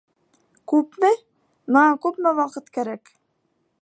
Күпме? Быға күпме ваҡыт кәрәк?